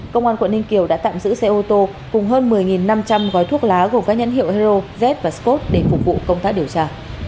công an quận ninh kiều đã tạm giữ xe ô tô cùng hơn một mươi năm trăm linh gói thuốc lá gồm các nhân hiệu hero z và scott để phục vụ công tác điều tra